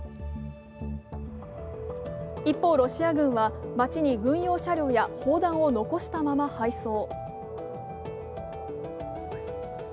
一方、ロシア軍は街に軍用車両や砲弾を残したまま敗走。